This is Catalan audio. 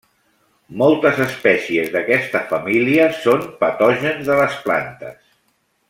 Moltes espècies d'aquesta família són patògens de les plantes.